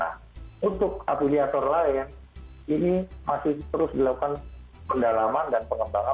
nah untuk aplikator lain ini masih terus dilakukan pendalaman dan pengembangan